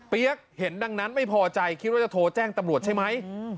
เห็นดังนั้นไม่พอใจคิดว่าจะโทรแจ้งตำรวจใช่ไหม